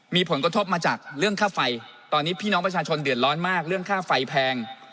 มีผลกระทบมาจากเรื่องค่าไฟตอนนี้พี่น้องประชาชนเดือดร้อนมากเรื่องค่าไฟแพง